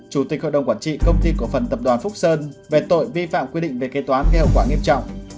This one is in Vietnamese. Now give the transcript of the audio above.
chủ tịch hội đồng quản trị công ty cổ phần tập đoàn phúc sơn về tội vi phạm quy định về kế toán gây hậu quả nghiêm trọng